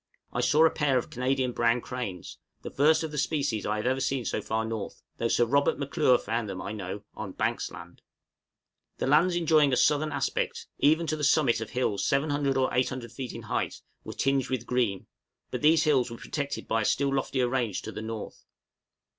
I saw a pair of Canadian brown cranes, the first of the species I have ever seen so far north, though Sir Robert M'Clure found them, I know, on Banks Land. The lands enjoying a southern aspect, even to the summits of hills 700 or 800 feet in height, were tinged with green; but these hills were protected by a still loftier range to the north.